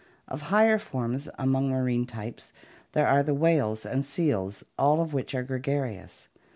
Of higher forms among marine types there are the whales and seals, all of which are gregarious.